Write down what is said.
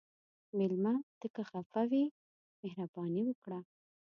مېلمه ته که خفه وي، مهرباني وکړه.